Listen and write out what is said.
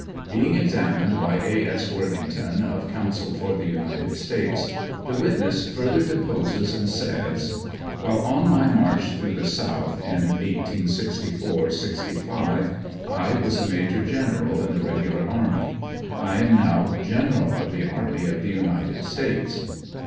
Being examined by A. S. Worthington, of Counsel for the United States, the witness further deposes and says: While on my march through the South in 1864 '65, I was a Major General in the regular army ; I am now " General of the army of the United States."